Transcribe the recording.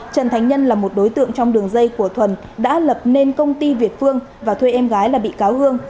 trần thánh nhân là một đối tượng trong đường dây của thuần đã lập nên công ty việt phương và thuê em gái là bị cáo hương